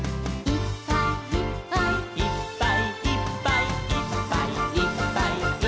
「いっぱいいっぱいいっぱいいっぱい」